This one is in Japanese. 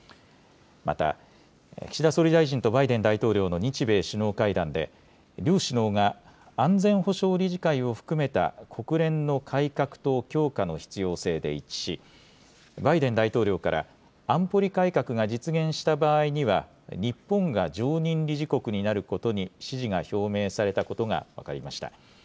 また、岸田総理大臣とバイデン大統領の日米首脳会談で、両首脳が安全保障理事会を含めた国連の改革と強化の必要性で一致し、バイデン大統領から安保理改革が実現した場合には、日本が常任理事国になることに支持が表明されたことが分かりました。